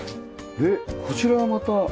でこちらはまた。